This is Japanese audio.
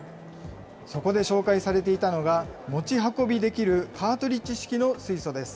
そこで紹介されていたのが、持ち運びできるカートリッジ式の水素です。